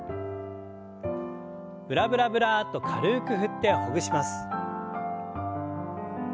ブラブラブラッと軽く振ってほぐします。